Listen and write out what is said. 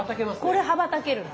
これ羽ばたけるわ。